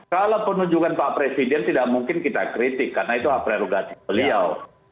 kalau penunjukan pak presiden tidak mungkin kita kritik karena itu hak prerogatif beliau